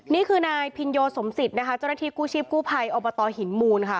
นี่คือนายพินโยสมศิษย์นะคะเจ้าหน้าที่กู้ชีพกู้ภัยอบตหินมูลค่ะ